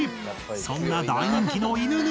そんな大人気の「犬沼」